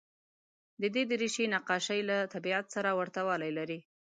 د دې دورې نقاشۍ له طبیعت سره ورته والی لري.